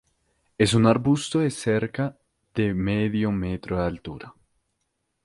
Es un arbusto de cerca de medio metro de altura.